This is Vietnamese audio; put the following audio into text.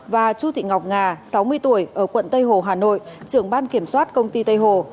và chu thị ngọc nga sáu mươi tuổi ở quận tây hồ hà nội trưởng ban kiểm soát công ty tây hồ